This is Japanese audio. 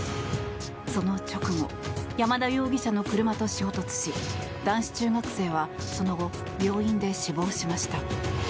その直後、山田容疑者の車と衝突し男子中学生はその後、病院で死亡しました。